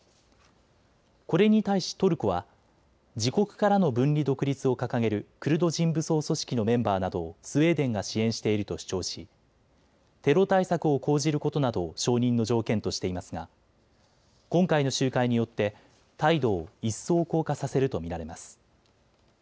これに対しトルコは自国からの分離独立を掲げるクルド人武装組織のメンバーなどをスウェーデンが支援していると主張しテロ対策を講じることなどを承認の条件としていますが今回の集会によって態度を一層硬化させると見られます。